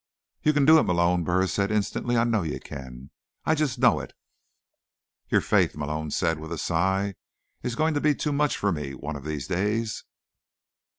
"You can do it, Malone," Burris said instantly. "I know you can. I just know it." "Your faith," Malone said with a sigh, "is going to be too much for me one of these days."